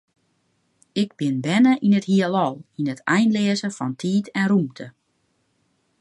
Ik bin berne yn it Hielal, yn it einleaze fan tiid en rûmte.